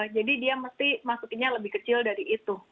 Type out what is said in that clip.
jadi dia mesti masukinnya lebih kecil dari itu